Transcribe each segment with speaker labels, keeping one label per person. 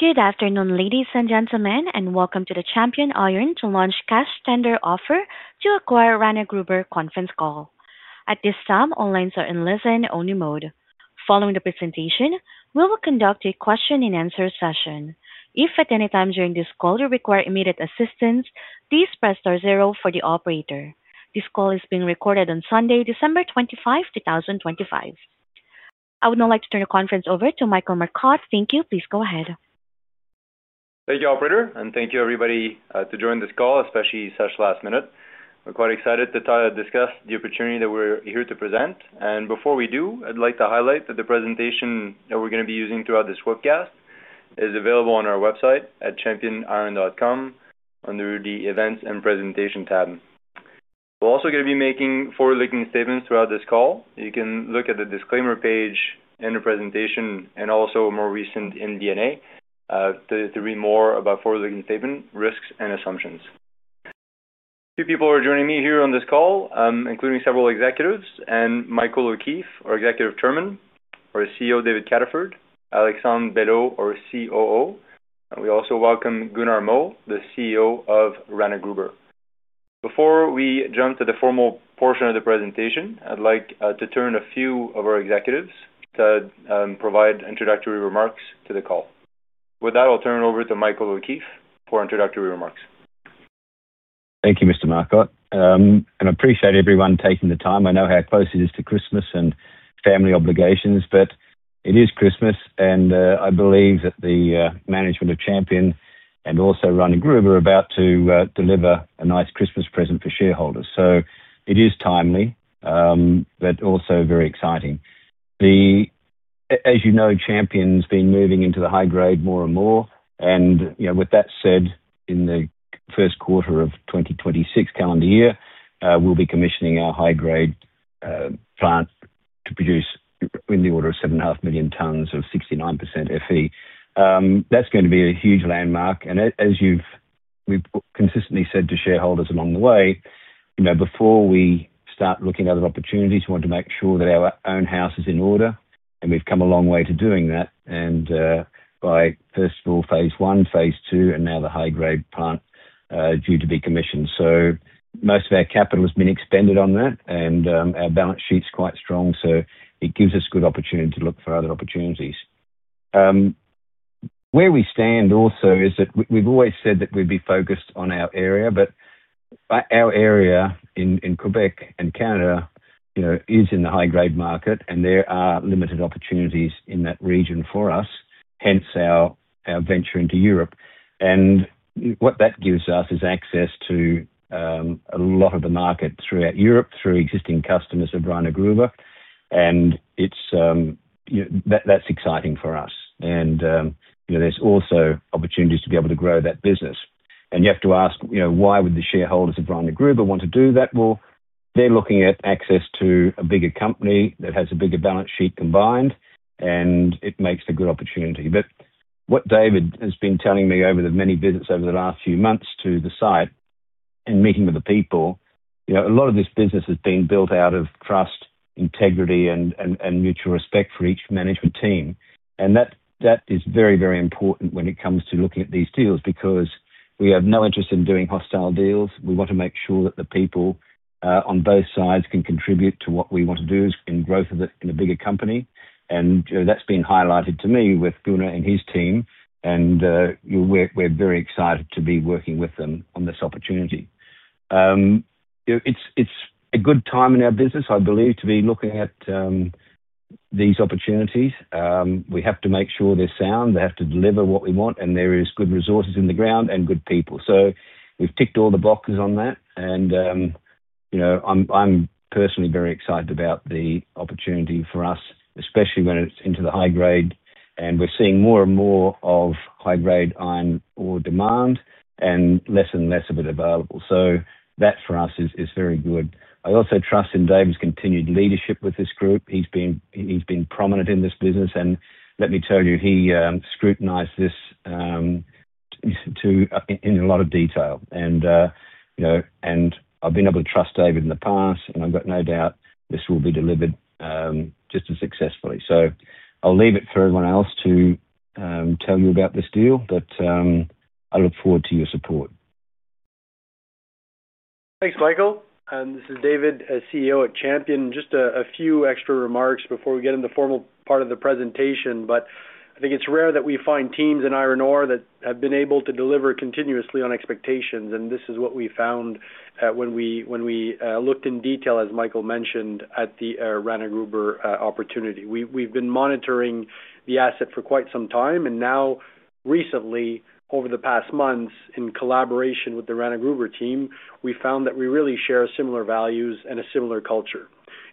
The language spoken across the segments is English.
Speaker 1: Good afternoon, ladies and gentlemen, and welcome to the Champion Iron to Launch Cash Tender Offer to Acquire Rana Gruber Conference Call. At this time, all lines are in listen-only mode. Following the presentation, we will conduct a Q&A session. If at any time during this call you require immediate assistance, please press *0 for the operator. This call is being recorded on Sunday, December 25, 2025. I would now like to turn the conference over to Michael Marcotte. Thank you. Please go ahead.
Speaker 2: Thank you, Operator, and thank you, everybody, to join this call, especially such last minute. We're quite excited to discuss the opportunity that we're here to present. And before we do, I'd like to highlight that the presentation that we're going to be using throughout this webcast is available on our website at championiron.com under the Events and Presentation tab. We're also going to be making forward-looking statements throughout this call. You can look at the disclaimer page in the presentation and also a more recent MD&A to read more about forward-looking statement risks and assumptions. Two people are joining me here on this call, including several executives: Michael O'Keeffe, our Executive Chairman, our CEO, David Cataford; Alexandre Belleau, our COO. We also welcome Gunnar Moe, the CEO of Rana Gruber. Before we jump to the formal portion of the presentation, I'd like to turn a few of our executives to provide introductory remarks to the call. With that, I'll turn it over to Michael O'Keeffe for introductory remarks.
Speaker 3: Thank you, Mr. Marcotte. And I appreciate everyone taking the time. I know how close it is to Christmas and family obligations, but it is Christmas, and I believe that the management of Champion and also Rana Gruber are about to deliver a nice Christmas present for shareholders. So it is timely, but also very exciting. As you know, Champion's been moving into the high-grade more and more. And with that said, in the first quarter of 2026 calendar year, we'll be commissioning our high-grade plant to produce in the order of 7.5 million tons of 69% Fe. That's going to be a huge landmark. And as you've consistently said to shareholders along the way, before we start looking at other opportunities, we want to make sure that our own house is in order. And we've come a long way to doing that. And by first of all phase I, phase II, and now the high-grade plant due to be commissioned. So most of our capital has been expended on that, and our balance sheet's quite strong. So it gives us a good opportunity to look for other opportunities. Where we stand also is that we've always said that we'd be focused on our area, but our area in Quebec and Canada is in the high-grade market, and there are limited opportunities in that region for us, hence our venture into Europe. And what that gives us is access to a lot of the market throughout Europe through existing customers of Rana Gruber. And that's exciting for us. And there's also opportunities to be able to grow that business. And you have to ask, why would the shareholders of Rana Gruber want to do that more? They're looking at access to a bigger company that has a bigger balance sheet combined, and it makes a good opportunity. What David has been telling me over the many visits over the last few months to the site and meeting with the people, a lot of this business has been built out of trust, integrity, and mutual respect for each management team. That is very, very important when it comes to looking at these deals because we have no interest in doing hostile deals. We want to make sure that the people on both sides can contribute to what we want to do in growth in a bigger company. That's been highlighted to me with Gunnar and his team. We're very excited to be working with them on this opportunity. It's a good time in our business, I believe, to be looking at these opportunities. We have to make sure they're sound. They have to deliver what we want, and there are good resources in the ground and good people. So we've ticked all the boxes on that. And I'm personally very excited about the opportunity for us, especially when it's into the high-grade. And we're seeing more and more of high-grade iron ore demand and less and less of it available. So that for us is very good. I also trust in David's continued leadership with this group. He's been prominent in this business. And let me tell you, he scrutinized this in a lot of detail. And I've been able to trust David in the past, and I've got no doubt this will be delivered just as successfully. I'll leave it for everyone else to tell you about this deal, but I look forward to your support.
Speaker 4: Thanks, Michael. This is David, CEO at Champion. Just a few extra remarks before we get into the formal part of the presentation, but I think it's rare that we find teams in iron ore that have been able to deliver continuously on expectations, and this is what we found when we looked in detail, as Michael mentioned, at the Rana Gruber opportunity. We've been monitoring the asset for quite some time, and now, recently, over the past months, in collaboration with the Rana Gruber team, we found that we really share similar values and a similar culture.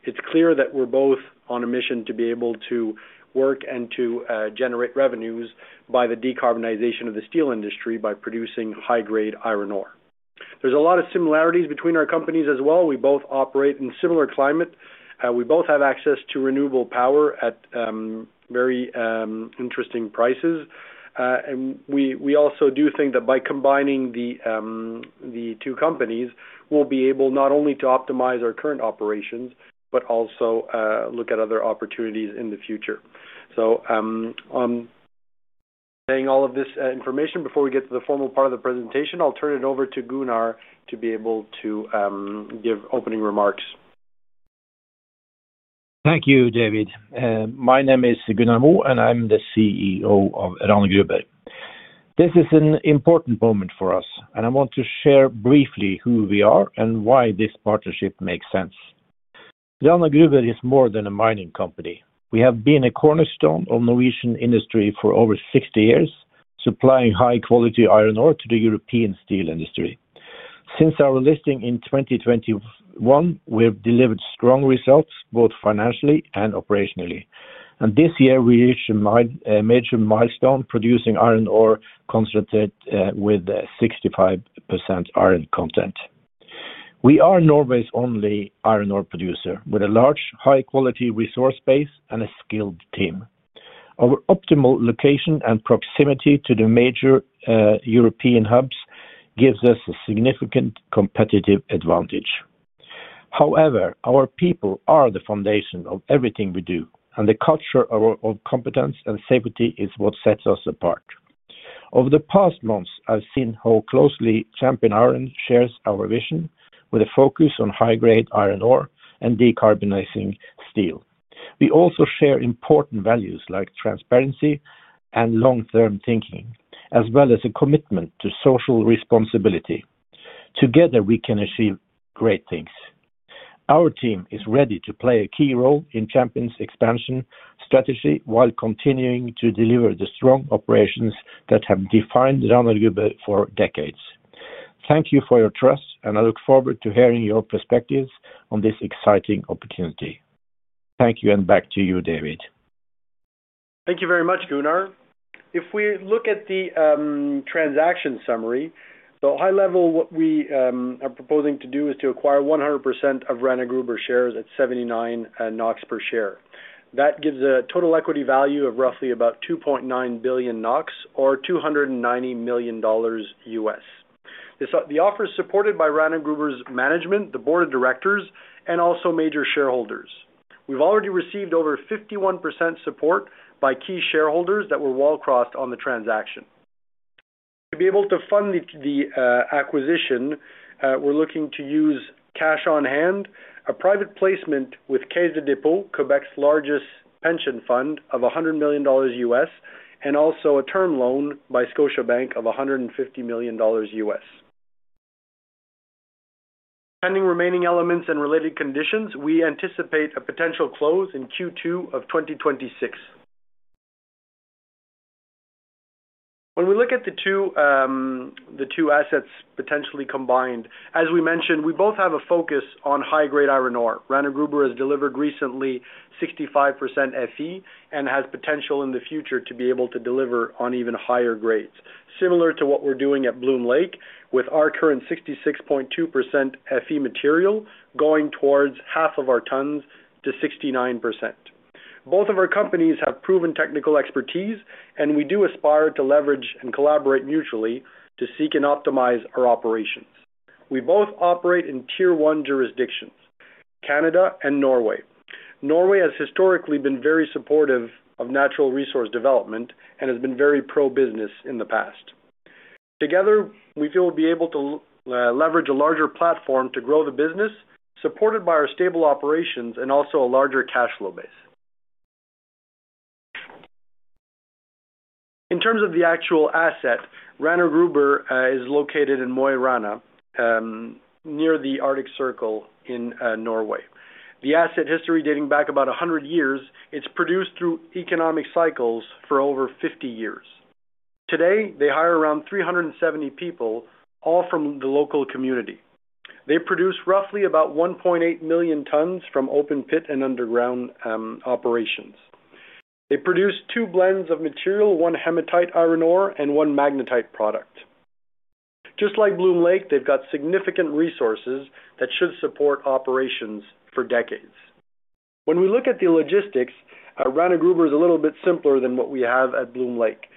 Speaker 4: It's clear that we're both on a mission to be able to work and to generate revenues by the decarbonization of the steel industry by producing high-grade iron ore. There's a lot of similarities between our companies as well. We both operate in similar climate. We both have access to renewable power at very interesting prices. And we also do think that by combining the two companies, we'll be able not only to optimize our current operations but also look at other opportunities in the future. So I'm saying all of this information before we get to the formal part of the presentation. I'll turn it over to Gunnar to be able to give opening remarks.
Speaker 5: Thank you, David. My name is Gunnar Moe, and I'm the CEO of Rana Gruber. This is an important moment for us, and I want to share briefly who we are and why this partnership makes sense. Rana Gruber is more than a mining company. We have been a cornerstone of the Norwegian industry for over 60 years, supplying high-quality iron ore to the European steel industry. Since our listing in 2021, we've delivered strong results both financially and operationally, and this year, we reached a major milestone producing iron ore concentrate with 65% iron content. We are Norway's only iron ore producer with a large, high-quality resource base and a skilled team. Our optimal location and proximity to the major European hubs gives us a significant competitive advantage. However, our people are the foundation of everything we do, and the culture of competence and safety is what sets us apart. Over the past months, I've seen how closely Champion Iron shares our vision with a focus on high-grade iron ore and decarbonizing steel. We also share important values like transparency and long-term thinking, as well as a commitment to social responsibility. Together, we can achieve great things. Our team is ready to play a key role in Champion's expansion strategy while continuing to deliver the strong operations that have defined Rana Gruber for decades. Thank you for your trust, and I look forward to hearing your perspectives on this exciting opportunity. Thank you, and back to you, David.
Speaker 4: Thank you very much, Gunnar. If we look at the transaction summary, so high-level, what we are proposing to do is to acquire 100% of Rana Gruber shares at 79 NOK per share. That gives a total equity value of roughly about 2.9 billion NOK or $290 million. The offer is supported by Rana Gruber's management, the board of directors, and also major shareholders. We've already received over 51% support by key shareholders that were wall-crossed on the transaction. To be able to fund the acquisition, we're looking to use cash on hand, a private placement with Caisse de dépôt et placement du Québec, Québec's largest pension fund of $100 million, and also a term loan by Scotiabank of $150 million. Pending remaining elements and related conditions, we anticipate a potential close in Q2 of 2026. When we look at the two assets potentially combined, as we mentioned, we both have a focus on high-grade iron ore. Rana Gruber has delivered recently 65% Fe and has potential in the future to be able to deliver on even higher grades, similar to what we're doing at Bloom Lake with our current 66.2% Fe material going towards half of our tons to 69%. Both of our companies have proven technical expertise, and we do aspire to leverage and collaborate mutually to seek and optimize our operations. We both operate in tier-one jurisdictions, Canada and Norway. Norway has historically been very supportive of natural resource development and has been very pro-business in the past. Together, we feel we'll be able to leverage a larger platform to grow the business, supported by our stable operations and also a larger cash flow base. In terms of the actual asset, Rana Gruber is located in Mo i Rana, near the Arctic Circle in Norway. The asset history dating back about 100 years, it's produced through economic cycles for over 50 years. Today, they hire around 370 people, all from the local community. They produce roughly about 1.8 million tons from open-pit and underground operations. They produce two blends of material, one hematite iron ore and one magnetite product. Just like Bloom Lake, they've got significant resources that should support operations for decades. When we look at the logistics, Rana Gruber is a little bit simpler than what we have at Bloom Lake.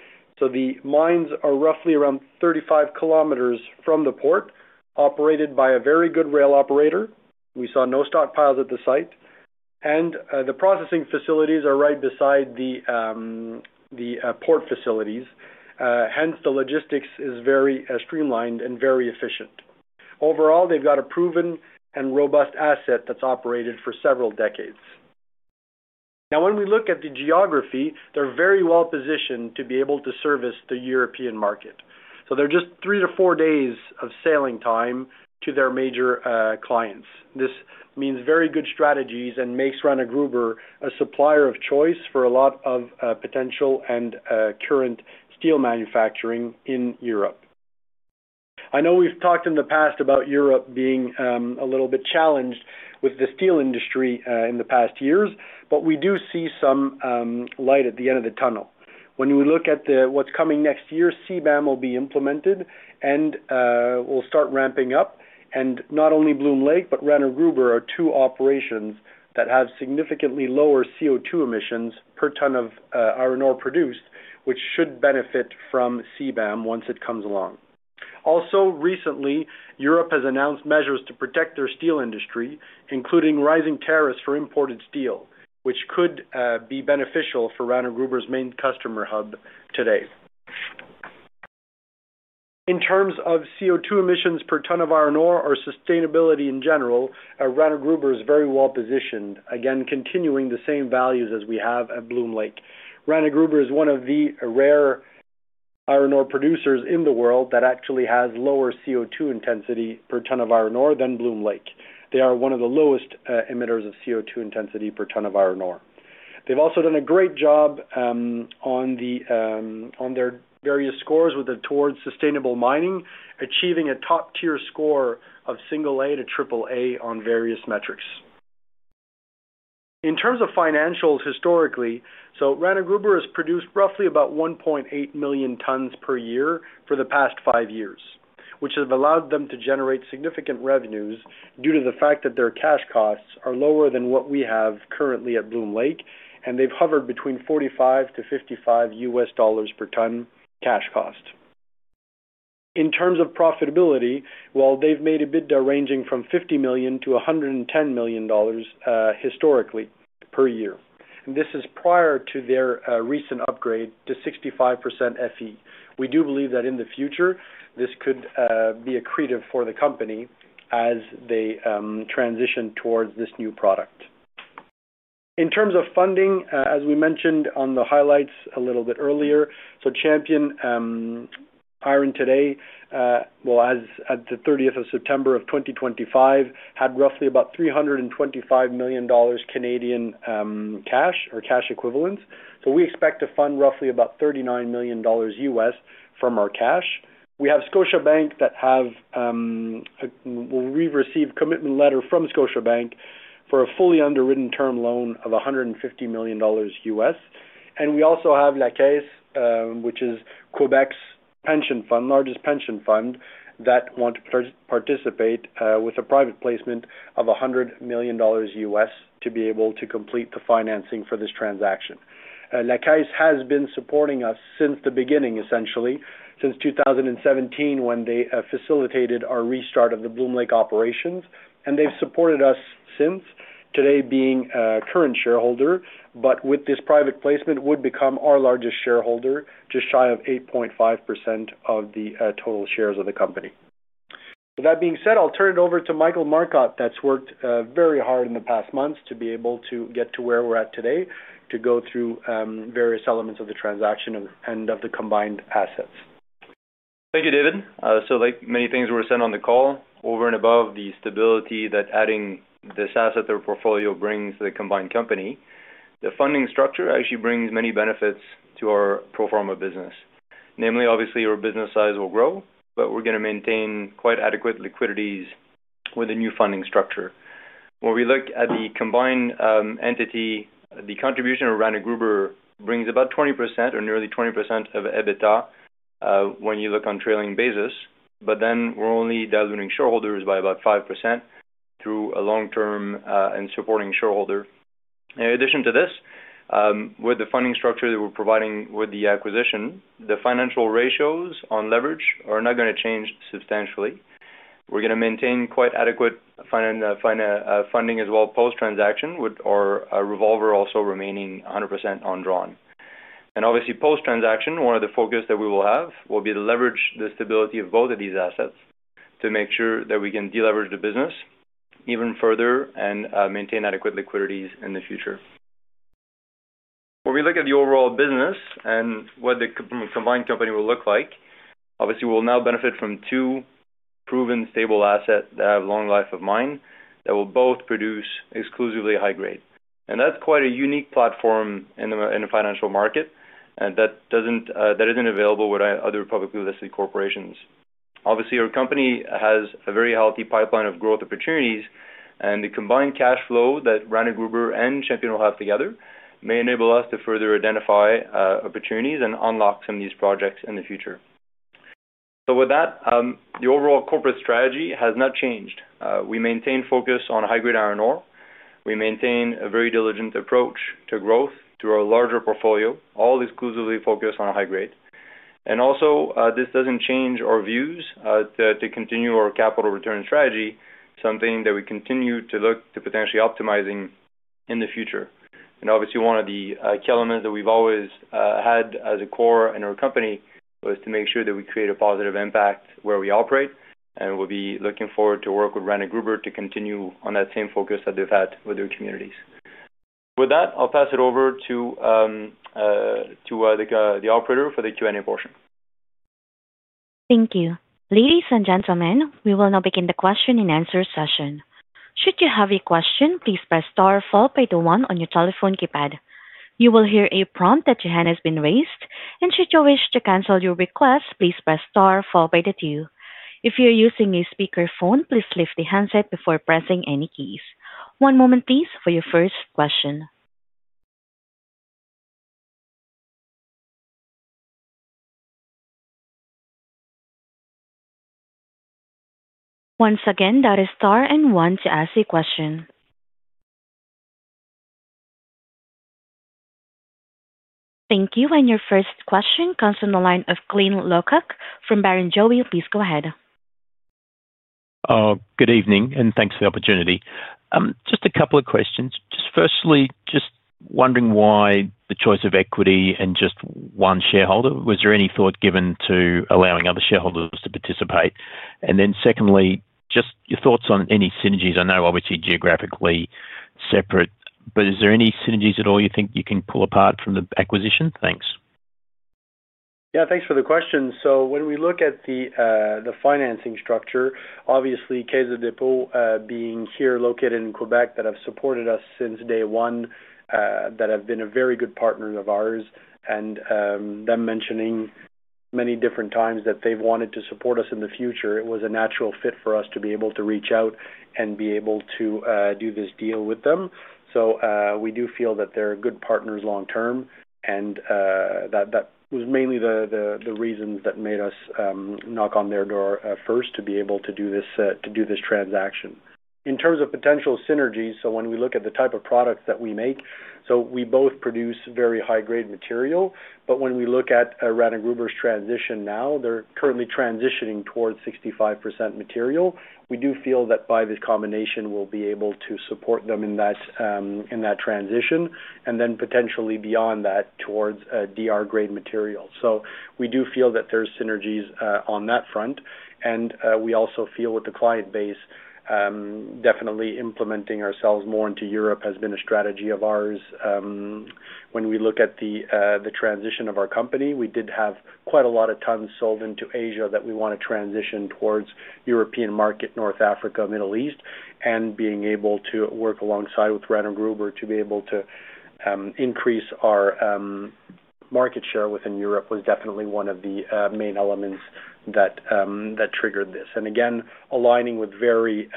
Speaker 4: So the mines are roughly around 35 km from the port, operated by a very good rail operator. We saw no stockpiles at the site, and the processing facilities are right beside the port facilities. Hence, the logistics is very streamlined and very efficient. Overall, they've got a proven and robust asset that's operated for several decades. Now, when we look at the geography, they're very well-positioned to be able to service the European market. So there are just three to four days of sailing time to their major clients. This means very good strategies and makes Rana Gruber a supplier of choice for a lot of potential and current steel manufacturing in Europe. I know we've talked in the past about Europe being a little bit challenged with the steel industry in the past years, but we do see some light at the end of the tunnel. When we look at what's coming next year, CBAM will be implemented and will start ramping up. And not only Bloom Lake, but Rana Gruber are two operations that have significantly lower CO2 emissions per ton of iron ore produced, which should benefit from CBAM once it comes along. Also, recently, Europe has announced measures to protect their steel industry, including rising tariffs for imported steel, which could be beneficial for Rana Gruber's main customer hub today. In terms of CO2 emissions per ton of iron ore or sustainability in general, Rana Gruber is very well-positioned, again, continuing the same values as we have at Bloom Lake. Rana Gruber is one of the rare iron ore producers in the world that actually has lower CO2 intensity per ton of iron ore than Bloom Lake. They are one of the lowest emitters of CO2 intensity per ton of iron ore. They've also done a great job on their various scores with the Towards Sustainable Mining, achieving a top-tier score of single A to triple A on various metrics. In terms of financials, historically, so Rana Gruber has produced roughly about 1.8 million tons per year for the past five years, which has allowed them to generate significant revenues due to the fact that their cash costs are lower than what we have currently at Bloom Lake, and they've hovered between $45-$55 per ton cash cost. In terms of profitability, well, they've made a bid ranging from $50 million-$110 million historically per year. This is prior to their recent upgrade to 65% Fe. We do believe that in the future, this could be accretive for the company as they transition towards this new product. In terms of funding, as we mentioned on the highlights a little bit earlier, so Champion Iron today, well, as of the 30th of September of 2025, had roughly about 325 million Canadian dollars cash or cash equivalents. So we expect to fund roughly about $39 million from our cash. We have Scotiabank. We've received a commitment letter from Scotiabank for a fully underwritten term loan of $150 million. And we also have La Caisse, which is Quebec's largest pension fund that want to participate with a private placement of $100 million to be able to complete the financing for this transaction. La Caisse has been supporting us since the beginning, essentially, since 2017 when they facilitated our restart of the Bloom Lake operations. They've supported us since, today being a current shareholder, but with this private placement would become our largest shareholder, just shy of 8.5% of the total shares of the company. With that being said, I'll turn it over to Michael Marcotte that's worked very hard in the past months to be able to get to where we're at today, to go through various elements of the transaction and of the combined assets.
Speaker 2: Thank you, David. So like many things we've said on the call, over and above the stability that adding this asset to our portfolio brings to the combined company, the funding structure actually brings many benefits to our pro forma business. Namely, obviously, our business size will grow, but we're going to maintain quite adequate liquidities with a new funding structure. When we look at the combined entity, the contribution of Rana Gruber brings about 20% or nearly 20% of EBITDA when you look on a trailing basis, but then we're only diluting shareholders by about 5% through a long-term and supporting shareholder. In addition to this, with the funding structure that we're providing with the acquisition, the financial ratios on leverage are not going to change substantially. We're going to maintain quite adequate funding as well post-transaction with our revolver also remaining 100% undrawn. Obviously, post-transaction, one of the focuses that we will have will be to leverage the stability of both of these assets to make sure that we can deleverage the business even further and maintain adequate liquidities in the future. When we look at the overall business and what the combined company will look like, obviously, we'll now benefit from two proven stable assets that have long life of mine that will both produce exclusively high grade. That's quite a unique platform in the financial market that isn't available with other publicly listed corporations. Obviously, our company has a very healthy pipeline of growth opportunities, and the combined cash flow that Rana Gruber and Champion will have together may enable us to further identify opportunities and unlock some of these projects in the future. With that, the overall corporate strategy has not changed. We maintain focus on high-grade iron ore. We maintain a very diligent approach to growth through our larger portfolio, all exclusively focused on high grade. And also, this doesn't change our views to continue our capital return strategy, something that we continue to look to potentially optimizing in the future. And obviously, one of the key elements that we've always had as a core in our company was to make sure that we create a positive impact where we operate. And we'll be looking forward to work with Rana Gruber to continue on that same focus that they've had with their communities. With that, I'll pass it over to the operator for the Q&A portion.
Speaker 1: Thank you. Ladies and gentlemen, we will now begin the Q&A session. Should you have a question, please press * followed by the 1 on your telephone keypad. You will hear a prompt that your hand has been raised. And should you wish to cancel your request, please press * followed by the 2. If you're using a speakerphone, please lift the handset before pressing any keys. One moment, please, for your first question. Once again, that is * and 1 to ask a question. Thank you. And your first question comes from the line of Glyn Lawcock from Barrenjoey. Please go ahead.
Speaker 6: Good evening, and thanks for the opportunity. Just a couple of questions. Just firstly, just wondering why the choice of equity and just one shareholder? Was there any thought given to allowing other shareholders to participate? And then secondly, just your thoughts on any synergies? I know obviously geographically separate, but is there any synergies at all you think you can pull apart from the acquisition? Thanks.
Speaker 4: Yeah, thanks for the question. So when we look at the financing structure, obviously, Caisse de dépôt et placement du Québec being here located in Quebec that have supported us since day one, that have been a very good partner of ours. And them mentioning many different times that they've wanted to support us in the future, it was a natural fit for us to be able to reach out and be able to do this deal with them. So we do feel that they're good partners long-term, and that was mainly the reasons that made us knock on their door first to be able to do this transaction. In terms of potential synergies, so when we look at the type of products that we make, so we both produce very high-grade material, but when we look at Rana Gruber's transition now, they're currently transitioning towards 65% material. We do feel that by this combination, we'll be able to support them in that transition, and then potentially beyond that towards DR-grade material. So we do feel that there's synergies on that front. And we also feel with the client base, definitely implementing ourselves more into Europe has been a strategy of ours. When we look at the transition of our company, we did have quite a lot of tons sold into Asia that we want to transition towards European market, North Africa, Middle East. And being able to work alongside with Rana Gruber to be able to increase our market share within Europe was definitely one of the main elements that triggered this. And again, aligning with very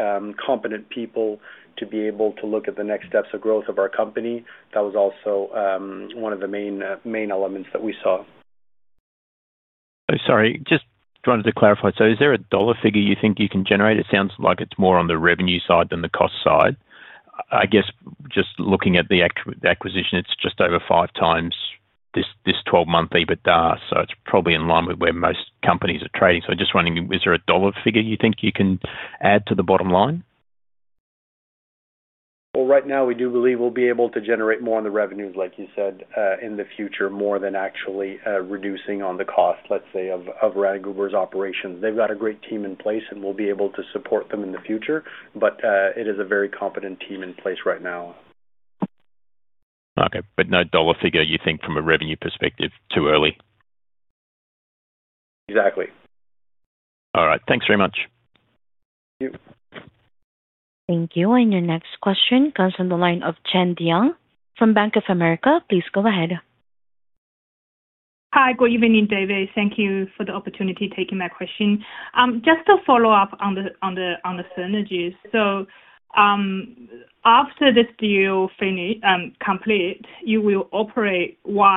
Speaker 4: competent people to be able to look at the next steps of growth of our company, that was also one of the main elements that we saw.
Speaker 6: Sorry, just wanted to clarify. So is there a dollar figure you think you can generate? It sounds like it's more on the revenue side than the cost side. I guess just looking at the acquisition, it's just over five times this 12-month EBITDA, so it's probably in line with where most companies are trading. So just wondering, is there a dollar figure you think you can add to the bottom line?
Speaker 4: Right now, we do believe we'll be able to generate more on the revenues, like you said, in the future, more than actually reducing on the cost, let's say, of Rana Gruber's operations. They've got a great team in place, and we'll be able to support them in the future, but it is a very competent team in place right now.
Speaker 6: Okay, but no dollar figure you think from a revenue perspective too early?
Speaker 4: Exactly.
Speaker 6: All right. Thanks very much.
Speaker 4: Thank you.
Speaker 1: Thank you. And your next question comes from the line of Chen Jiang from Bank of America. Please go ahead.
Speaker 7: Hi, good evening, David. Thank you for the opportunity to take my question. Just to follow up on the synergies, so after this deal completes, you will operate your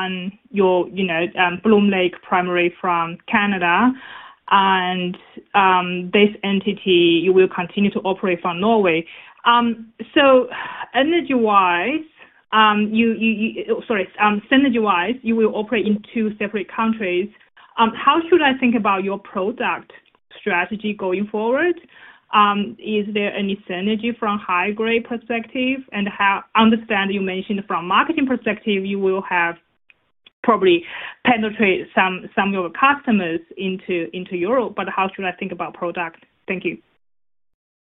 Speaker 7: own Bloom Lake primarily from Canada, and this entity, you will continue to operate from Norway. So energy-wise, sorry, synergy-wise, you will operate in two separate countries. How should I think about your product strategy going forward? Is there any synergy from a high-grade perspective? And I understand you mentioned from a marketing perspective, you will have probably penetrated some of your customers into Europe, but how should I think about product? Thank you.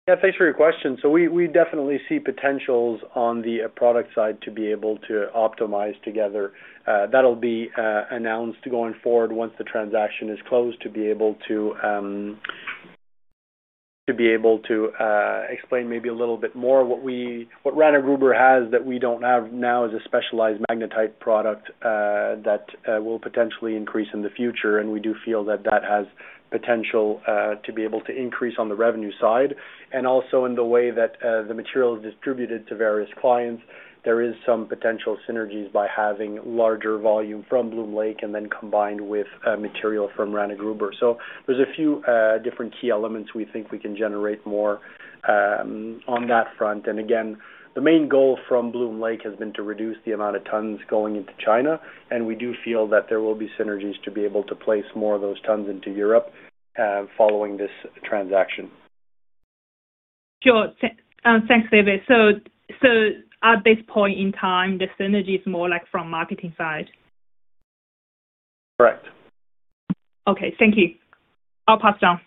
Speaker 4: Yeah, thanks for your question. So we definitely see potentials on the product side to be able to optimize together. That'll be announced going forward once the transaction is closed to be able to explain maybe a little bit more what Rana Gruber has that we don't have now as a specialized magnetite product that will potentially increase in the future. We do feel that that has potential to be able to increase on the revenue side. Also in the way that the material is distributed to various clients, there is some potential synergies by having larger volume from Bloom Lake and then combined with material from Rana Gruber. So there's a few different key elements we think we can generate more on that front. Again, the main goal from Bloom Lake has been to reduce the amount of tons going into China, and we do feel that there will be synergies to be able to place more of those tons into Europe following this transaction.
Speaker 7: Sure. Thanks, David. So at this point in time, the synergy is more like from the marketing side?
Speaker 4: Correct.
Speaker 7: Okay. Thank you. I'll pass down.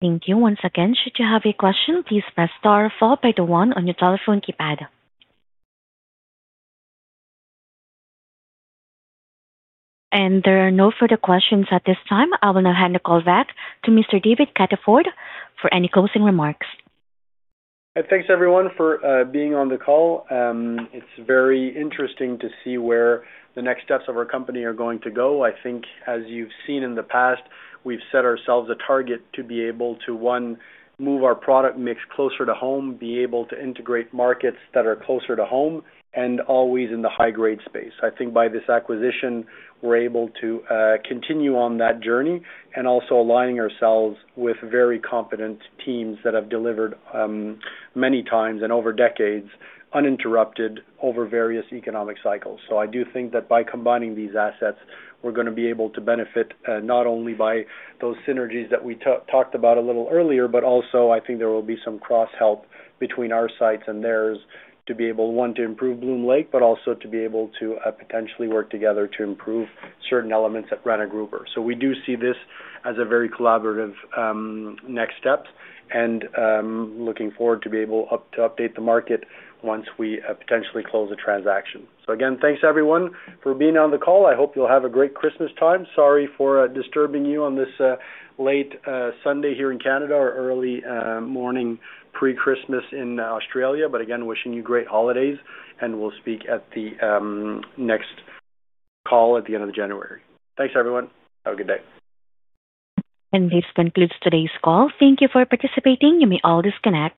Speaker 1: Thank you. Once again, should you have a question, please press * followed by the 1 on your telephone keypad. And there are no further questions at this time. I will now hand the call back to Mr. David Cataford for any closing remarks.
Speaker 4: Thanks, everyone, for being on the call. It's very interesting to see where the next steps of our company are going to go. I think, as you've seen in the past, we've set ourselves a target to be able to, one, move our product mix closer to home, be able to integrate markets that are closer to home, and always in the high-grade space. I think by this acquisition, we're able to continue on that journey and also aligning ourselves with very competent teams that have delivered many times and over decades uninterrupted over various economic cycles. So I do think that by combining these assets, we're going to be able to benefit not only by those synergies that we talked about a little earlier, but also I think there will be some cross-help between our sites and theirs to be able, one, to improve Bloom Lake, but also to be able to potentially work together to improve certain elements at Rana Gruber. So we do see this as a very collaborative next step, and looking forward to be able to update the market once we potentially close a transaction. So again, thanks, everyone, for being on the call. I hope you'll have a great Christmas time. Sorry for disturbing you on this late Sunday here in Canada or early morning pre-Christmas in Australia, but again, wishing you great holidays, and we'll speak at the next call at the end of January. Thanks, everyone. Have a good day.
Speaker 1: This concludes today's call. Thank you for participating. You may all disconnect.